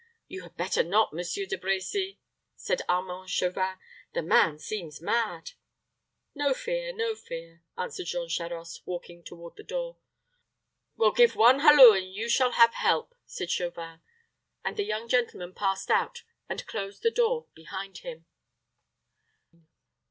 "You had better not, Monsieur De Brecy," said Armand Chauvin. "The man seems mad." "No fear, no fear," answered Jean Charost, walking toward the door. "Well, give one halloo, and you shall have help," said Chauvin; and the young gentleman passed out and closed the door behind him.